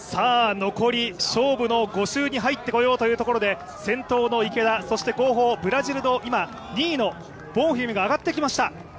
残り勝負の５周に入ってこようというところで先頭の池田、後方、ブラジル２位のボンフィムが上がってきました。